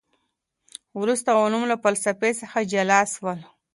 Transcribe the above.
وروسته علوم له فلسفې څخه جلا سول.